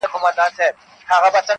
مګر که د پیغام له اړخه ورته وکتل سي -